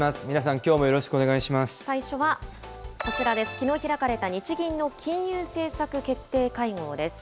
きのう開かれた、日銀の金融政策決定会合です。